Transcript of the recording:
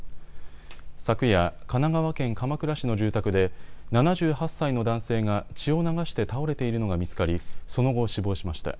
昨夜、神奈川県鎌倉市の住宅で７８歳の男性が血を流して倒れているのが見つかりその後、死亡しました。